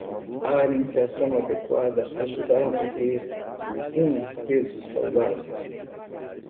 A alimentação adequada ajuda a manter um peso saudável.